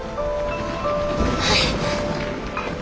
はい！